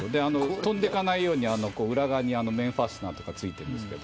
飛んでいかないように裏側に面ファスナーなどがついています。